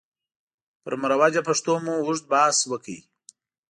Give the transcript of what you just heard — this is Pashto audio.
پر مروجه پښتو مو اوږد بحث وکړ.